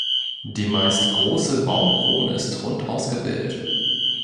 Die meist große Baumkrone ist rund ausgebildet.